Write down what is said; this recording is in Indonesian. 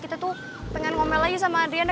kita tuh pengen ngomel lagi sama adriana